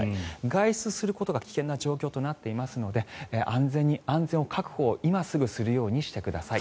外出することが危険な状況となっていますので安全の確保を今すぐにするようにしてください。